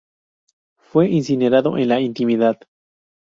Fue incinerado en la intimidad.